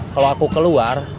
kalo aku keluar